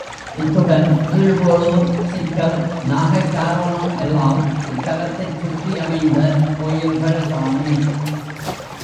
இத்துடன் கீழ் வேளூர், சிக்கல், நாகைக் காரோணம் எல்லாம் இத்தலத்தைச் சுற்றி அமைந்த கோயில்கள் தாமே.